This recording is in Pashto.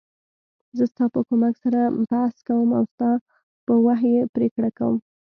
زه ستا په کومک سره بحث کوم او ستا په وحی پریکړه کوم .